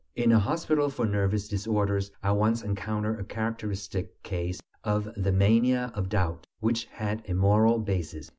In a hospital for nervous disorders I once encountered a characteristic case of the "mania of doubt" which had a moral basis.